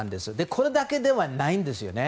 これだけではないんですよね。